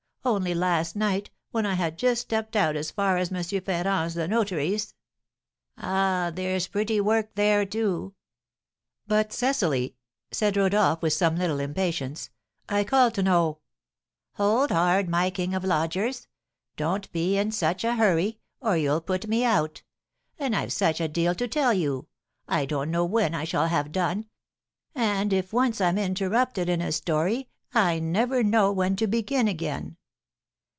Only last night, when I had just stepped out as far as M. Ferrand's the notary's Ah, there's pretty work there, too!" "But Cecily?" said Rodolph, with some little impatience. "I called to know " "Hold hard, my king of lodgers! Don't be in such a hurry, or you'll put me out. And I've such a deal to tell you, I don't know when I shall have done; and if once I'm interrupted in a story, I never know when to begin again."